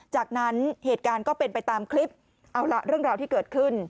จากนั้นเหตุการณ์ก็เป็นไปตามคลิปเอาล่ะเรื่องราวที่เกิดขึ้น